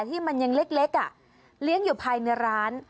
ที่มันยังเล็กเลี้ยงอยู่ภายในร้าน